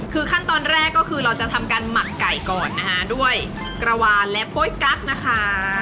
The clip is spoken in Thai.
คือขั้นตอนแรกก็คือเราจะทำการหมักไก่ก่อนนะคะด้วยกระวานและโป๊ยกั๊กนะคะ